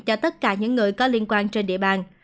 cho tất cả những người có liên quan trên địa bàn